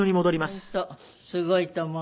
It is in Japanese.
本当すごいと思う。